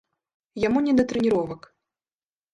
Яму не да трэніровак.